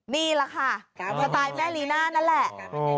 นี่แหละค่ะสไตล์แม่ลีน่านั่นแหละ